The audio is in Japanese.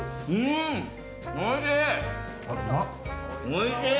おいしい！